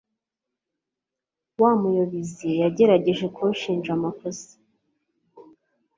Wa muyobizi yagerageje kunshinja amakosa.